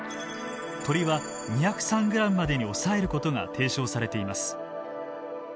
鶏は２０３ｇまでに抑えることが提唱されています。